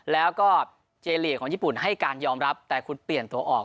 แล้วก็เจลีกของญี่ปุ่นให้การยอมรับแต่คุณเปลี่ยนตัวออก